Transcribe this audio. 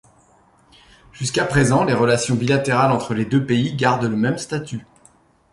Jusqu'à présent, les relations bilatérales entre les deux pays gardent le même statut.